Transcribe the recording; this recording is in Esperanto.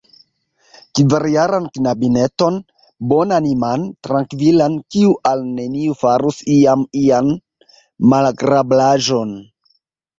Kvarjaran knabineton, bonaniman, trankvilan, kiu al neniu farus iam ian malagrablaĵon.